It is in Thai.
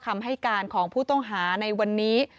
คำให้การของผู้ต้องหาในวันนี้